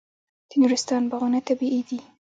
د نورستان باغونه طبیعي دي.